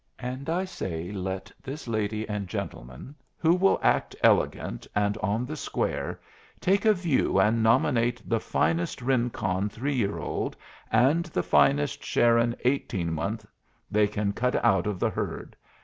And I say let this lady and gentleman, who will act elegant and on the square, take a view and nominate the finest Rincon 3 year old and the finest Sharon 18 month they can cut out of the herd.